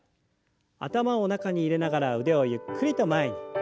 頭を中に入れながら腕をゆっくりと前に。